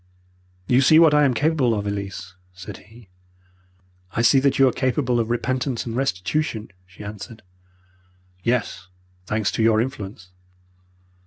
"'You see what I am capable of, Elise,' said he. "'I see that you are capable of repentance and restitution,' she answered. "'Yes, thanks to your influence!